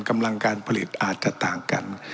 กำลังการผลิตอาจจะต่างกัน